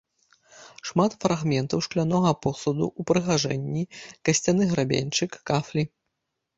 Шмат фрагментаў шклянога посуду, упрыгажэнні, касцяны грабеньчык, кафлі.